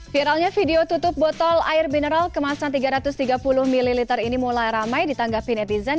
viralnya video tutup botol air mineral kemasan tiga ratus tiga puluh ml ini mulai ramai ditanggapi netizen